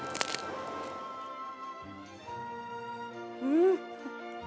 うん！